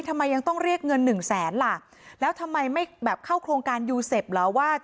ทำไมยังต้องเรียกเงินหนึ่งแสนล่ะแล้วทำไมไม่แบบเข้าโครงการยูเซฟเหรอว่า